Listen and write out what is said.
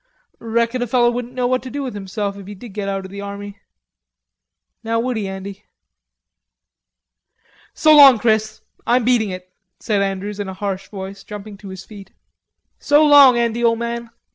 "Reckon a feller wouldn't know what to do with himself if he did get out of the army... now, would he, Andy?" "So long, Chris. I'm beating it," said Andrews in a harsh voice, jumping to his feet. "So long, Andy, ole man....